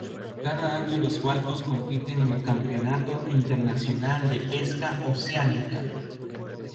Cada año los barcos compiten en el Campeonato Internacional de Pesca Oceánica.